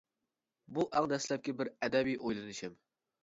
بۇ ئەڭ دەسلەپكى بىر ئەدەبىي ئويلىنىشىم.